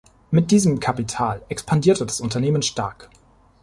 Mit diesem Kapital expandierte das Unternehmen stark.